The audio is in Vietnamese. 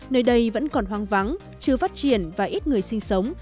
nơi đây vẫn còn hoang vắng chưa phát triển và ít người sinh sống